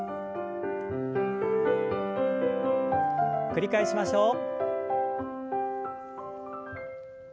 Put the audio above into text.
繰り返しましょう。